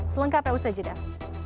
selengkapnya usah aja deh